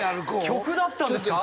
曲だったんですか？